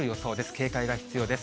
警戒が必要です。